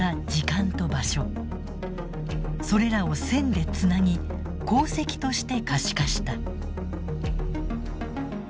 それらを線でつなぎ航跡として可視化した。